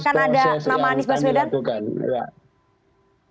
sekali lagi proses proses yang kami lakukan